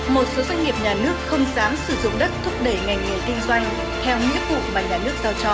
một số doanh nghiệp nhà nước không dám sử dụng đất thúc đẩy ngành nghề kinh doanh theo nghĩa vụ mà nhà nước giao cho